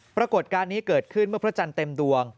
ปรากฏการณ์นี้เกิดขึ้นเมื่อพระจันทร์เต็มดวง